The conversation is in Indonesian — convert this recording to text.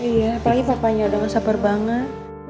iya apalagi papanya udah gak sabar banget